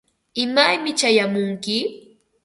¿imaymi chayamunki?